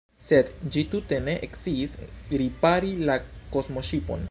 Sed, ĝi tute ne sciis ripari la kosmoŝipon.